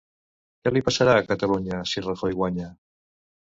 Què li passara a Catalunya si Rajoy guanya?